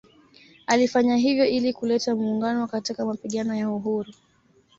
Alifanya hivyo ili kuleta muungano katika mapigano ya uhuru